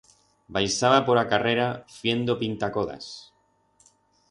Baixaba por a carrera fiendo pintacodas.